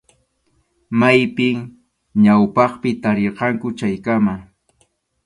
Maypim ñawpaqpi tarirqanku chaykama.